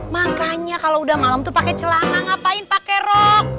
makanya kalau udah malem tuh pake celana ngapain pake rok